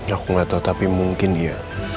aku gak tau tapi mungkin dia